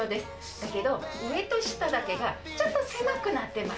だけど上と下だけがちょっと狭くなってます。